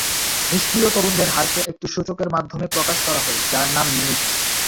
নিষ্ক্রিয় তরুণদের হারকে একটি সূচকের মাধ্যমে প্রকাশ করা হয়, যার নাম নিট।